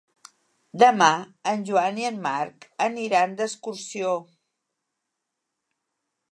Demà en Joan i en Marc aniran d'excursió.